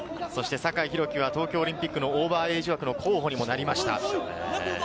酒井宏樹は東京オリンピックのオーバーエイジ枠の候補にもなりました。